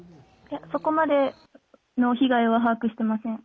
そこまでの被害は把握していません。